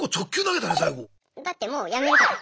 だってもうやめるから。